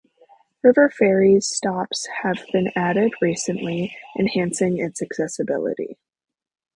River ferries stops have been added recently, enhancing its accessibility.